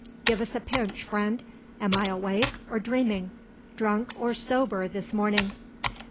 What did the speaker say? Give us a pinch, friend. Am I awake, or dreaming? drunk or sober this morning?"